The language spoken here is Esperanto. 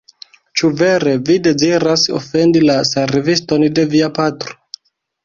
Ĉu vere vi deziras ofendi la serviston de via patro?